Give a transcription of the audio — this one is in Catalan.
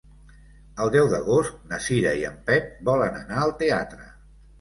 El deu d'agost na Cira i en Pep volen anar al teatre.